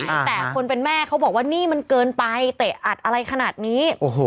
แต่คนเป็นแม่เขาบอกว่านี่มันเกินไปเตะอัดอะไรขนาดนี้โอ้โห